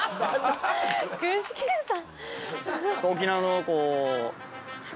具志堅さん。